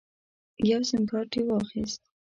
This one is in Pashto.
یو سیم کارت یې واخیست.